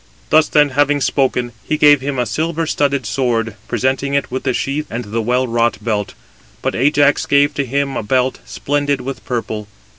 Thus then having spoken, he gave him a silver studded sword, presenting it with the sheath and the well wrought belt. But Ajax gave [to him] a belt, splendid with purple.